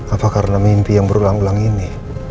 apa karena mimpi yang berulang ulang ini